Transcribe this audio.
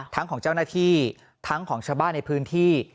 ทั้งของเจ้าหน้าที่ทั้งของชาวบ้านในพื้นที่